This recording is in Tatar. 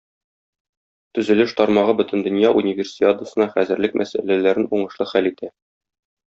Төзелеш тармагы Бөтендөнья Универсиадасына хәзерлек мәсьәләләрен уңышлы хәл итә.